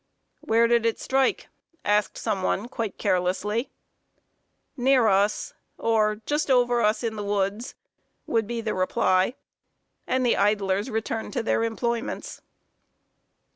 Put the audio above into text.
"Where did it strike?" asked some one, quite carelessly. "Near us," or "Just over us in the woods," would be the reply; and the idlers returned to their employments.